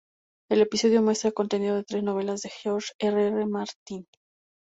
El episodio muestra contenido de tres novelas de George R. R. Martin.